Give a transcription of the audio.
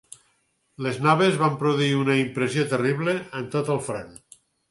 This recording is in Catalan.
Les noves van produir una impressió terrible en tot el front